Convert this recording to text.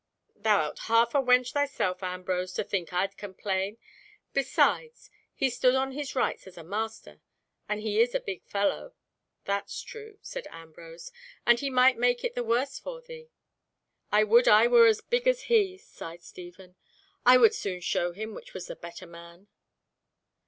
"Thou art half a wench thyself, Ambrose, to think I'd complain. Besides, he stood on his rights as a master, and he is a big fellow." "That's true," said Ambrose, "and he might make it the worse for thee." "I would I were as big as he," sighed Stephen, "I would soon show him which was the better man."